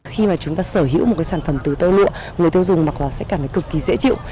khi mà chúng ta sở hữu một cái sản phẩm từ tơ lụa người tiêu dùng mặc sẽ cảm thấy cực kỳ dễ chịu